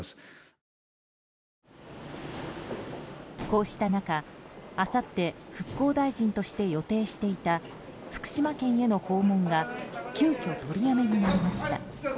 こうした中、あさって復興大臣として予定していた福島県への訪問が急きょ取りやめになりました。